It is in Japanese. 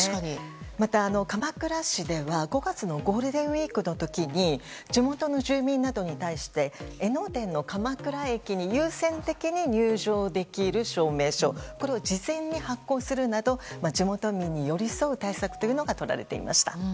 また、鎌倉市では５月のゴールデンウィークの時に地元の住民などに対して江ノ電の鎌倉駅に優先的に入場できる証明書これを事前に発行するなど地元民に寄り添う対策がとられていました。